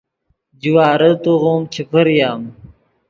جوارے توغیم چے پریم